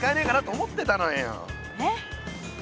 えっ？